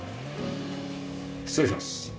失礼します。